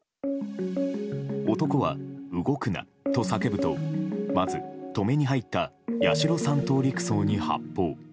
男は、動くなと叫ぶとまず止めに入った八代３等陸曹に発砲。